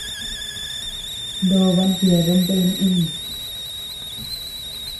Noban yeabean bea niini.